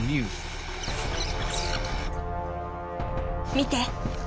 見て！